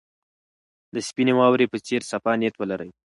د سپینې واورې په څېر صفا نیت ولرئ.